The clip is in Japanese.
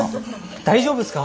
大丈夫っすか？